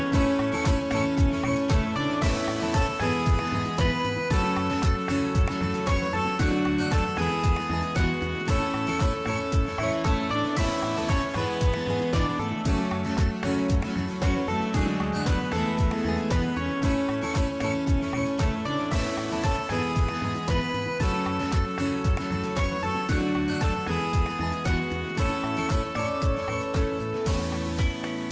โปรดติดตามตอนต่อไป